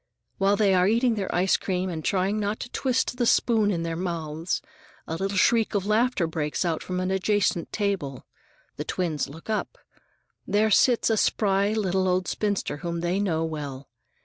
While they are eating their icecream and trying not to twist the spoon in their mouths, a little shriek of laughter breaks from an adjacent table. The twins look up. There sits a spry little old spinster whom they know well.